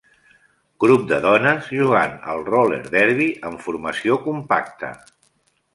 Grup de dones jugant al "roller derby" en formació compacta.